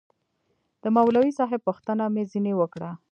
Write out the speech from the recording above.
د مولوي صاحب پوښتنه مې ځنې وكړه.